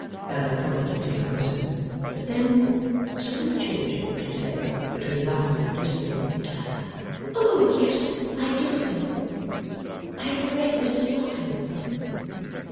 Bella confidently answered. But then, suddenly changing, she said, between laughing and glistening: 'Oh yes, I do though. I regret Mrs Boffin.